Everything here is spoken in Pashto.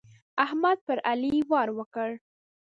احمد پر علي وار وکړ.